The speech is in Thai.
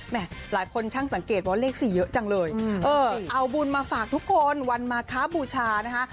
หลายคนช่างสังเกตว่าเลข๔เยอะจังเลยเอาบุญมาฝากทุกคนวันมาคะบูชานะคะ